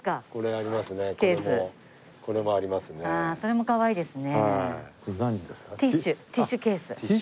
ああそれもかわいいですね。